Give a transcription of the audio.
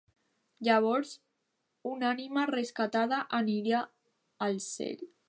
Llavors, un ànima rescatada aniria al cel.